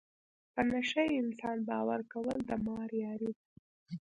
په نشه یې انسان باور کول د مار یاري ده.